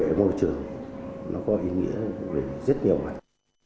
bảo vệ môi trường nó có ý nghĩa về rất nhiều loại